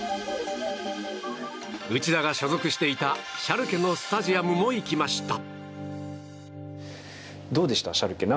内田が所属していたシャルケのスタジアムも行きました。